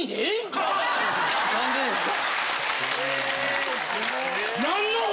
何でですか？